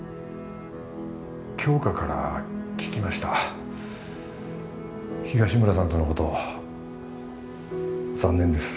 杏花から聞きました東村さんとのこと残念です